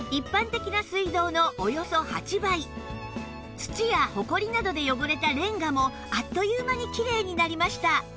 土やホコリなどで汚れたレンガもあっという間にきれいになりました